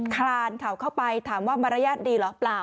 คลานเข่าเข้าไปถามว่ามารยาทดีหรือเปล่า